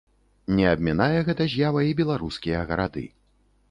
Не абмінае гэта з'ява і беларускія гарады.